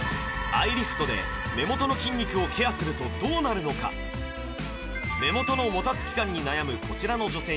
アイリフトで目元の筋肉をケアするとどうなるのか目元のもたつき感に悩むこちらの女性に実際にお顔の半分だけ使っていただくと